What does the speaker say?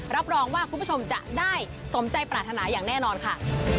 รับรองว่าคุณผู้ชมจะได้สมใจปรารถนาอย่างแน่นอนค่ะ